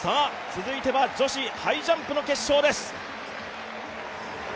続いては女子ハイジャンプの決勝です。